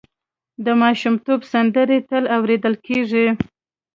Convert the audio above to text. د ماشومتوب سندرې تل اورېدل کېږي.